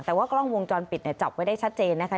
แต่ว่ากล้องวงจรปิดเนี่ยจับไว้ได้ชัดเจนนะคะ